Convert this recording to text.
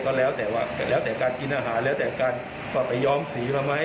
ก็แล้วแต่ว่าแต่แล้วแต่การกินอาหารแล้วแต่การว่าไปย้อมสีมาไหม